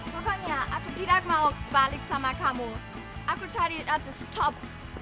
pokoknya aku tidak mau balik sama kamu aku cari outsource top